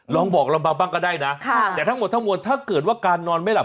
ลองบอกเรามาบ้างก็ได้นะแต่ทั้งหมดทั้งมวลถ้าเกิดว่าการนอนไม่หลับ